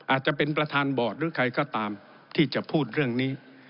อาจจะเป็นประธานบอร์ดหรือใครก็ตามที่จะพูดเรื่องนี้